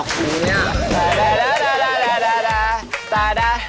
ซิซา